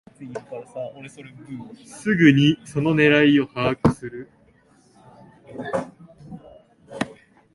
すぐにその狙いを把握する